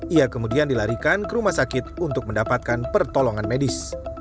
ia kemudian dilarikan ke rumah sakit untuk mendapatkan pertolongan medis